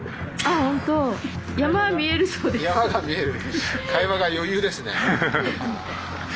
山が見える。